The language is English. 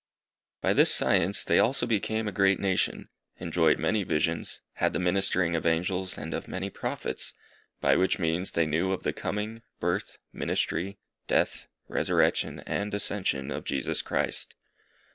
By this science they also became a great nation, enjoyed many visions, had the ministering of angels, and of many Prophets, by which means they knew of the coming, birth, ministry, death, resurrection, and ascension of Jesus Christ.